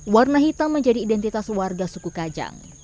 warna hitam menjadi identitas warga suku kajang